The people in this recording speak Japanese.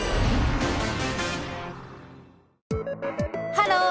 ハロー！